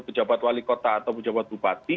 pejabat wali kota atau pejabat bupati